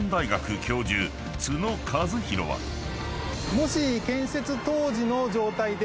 もし。